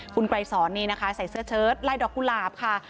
คุณไกรสอนนี่นะคะใส่เสื้อเชิดไล่ดอกกุหลาบค่ะ